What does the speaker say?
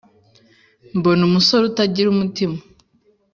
Mbona umusore utagira umutima